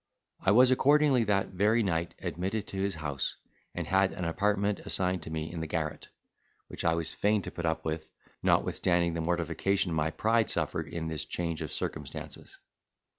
I was accordingly that very night admitted to his house, and had an apartment assigned to me in the garret, which I was fain to put up with, notwithstanding the mortification my pride suffered in this change of circumstances.